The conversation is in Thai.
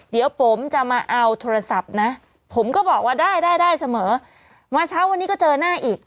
เดี๋ยวผมจะมาเอาโทรศัพท์นะผมก็บอกว่าได้ได้เสมอมาเช้าวันนี้ก็เจอหน้าอีก